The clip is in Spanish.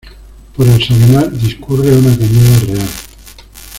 Por el Sabinar discurre una cañada real.